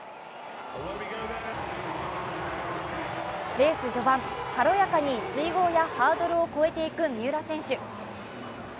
レース序盤、軽やかに水濠やハードルを越えていく三浦選手。